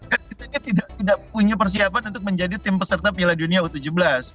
kan kita tidak punya persiapan untuk menjadi tim peserta piala dunia u tujuh belas